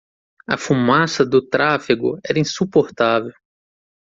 A fumaça do tráfego era insuportável.